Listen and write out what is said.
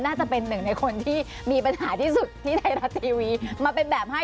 น่าจะเป็นหนึ่งในคนที่มีปัญหาที่สุดที่ไทยรัฐทีวีมาเป็นแบบให้